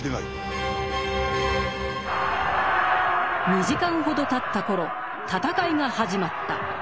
２時間ほどたった頃戦いが始まった。